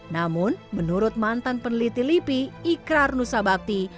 namun menurut mantan peneliti lipi ikrar nusa bakti